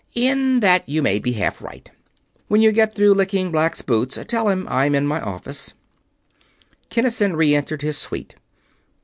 "In that you may be half right. When you get done licking Black's boots, tell him that I am in my office." Kinnison re entered his suite.